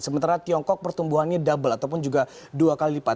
sementara tiongkok pertumbuhannya double ataupun juga dua kali lipat